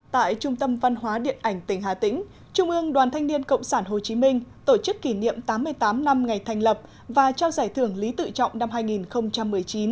tại trung tâm văn hóa điện ảnh tỉnh hà tĩnh trung ương đoàn thanh niên cộng sản hồ chí minh tổ chức kỷ niệm tám mươi tám năm ngày thành lập và trao giải thưởng lý tự trọng năm hai nghìn một mươi chín